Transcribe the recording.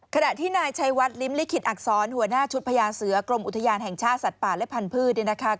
ขณะที่นายชัยวัดลิ้มลิขิตอักษรหัวหน้าชุดพญาเสือกรมอุทยานแห่งชาติสัตว์ป่าและพันธุ์เนี่ยนะคะ